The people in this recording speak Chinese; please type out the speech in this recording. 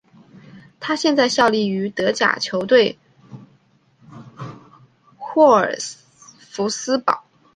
他现在效力于德甲球队沃尔夫斯堡。